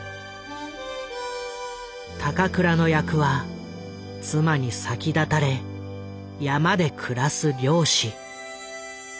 高倉の役は妻に先立たれ山で暮らす猟師。